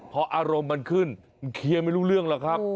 พออารมณ์มันขึ้นมันเคลียร์ไม่รู้เรื่องหรอกครับ